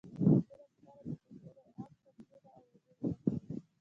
دولس کاله د پښتنو عام قتلونه او وژنې وشوې.